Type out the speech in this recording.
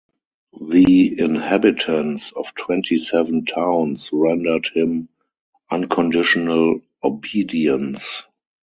The inhabitants of twenty-seven towns rendered him unconditional obedience.